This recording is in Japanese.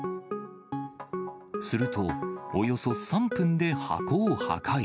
すると、およそ３分で箱を破壊。